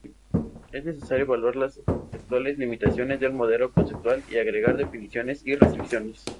Es necesario evaluar las actuales limitaciones del modelo conceptual y agregar definiciones y restricciones.